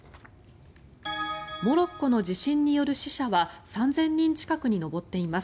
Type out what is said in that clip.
モロッコの地震による死者は３０００人近くに上っています。